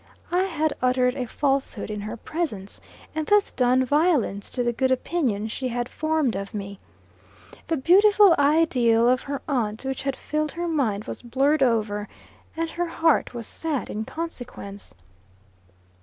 I had uttered a falsehood in her presence, and thus done violence to the good opinion she had formed of me. The beautiful ideal of her aunt, which had filled her mind, was blurred over; and her heart was sad in consequence.